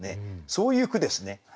そういう句ですね。